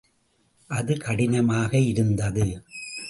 அது கடினமாக இருந்தது.